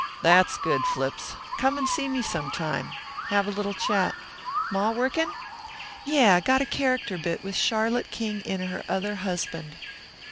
"That's good, Flips. Come in and see me some time. Have a little chat. Ma working?" "Yeah got a character bit with Charlotte King in Her Other Husband."